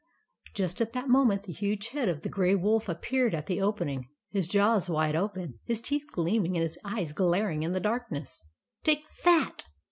Just at that moment the huge head of the Grey Wolf appeared at the opening, his jaws wide open, his teeth gleaming, and his eyes glaring in the darkness. " Take that